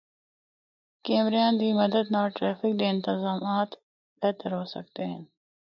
کیمریاں دی مدد نال ٹریفک دے انتظامات بہتر ہو سکدے ہن۔